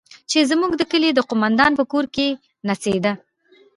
چې زموږ د کلي د قومندان په کور کښې نڅېده.